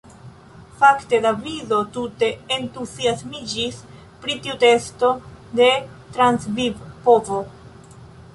Fakte Davido tute entuziasmiĝis pri tiu testo de transvivpovo.